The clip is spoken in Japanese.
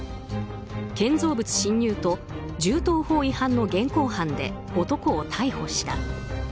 建造物侵入と銃刀法違反の現行犯で男を逮捕した。